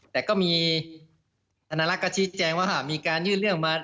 แต่ก็มีธนลักษ์ก็ชี้แจงว่ามีการยื่นเรื่องมา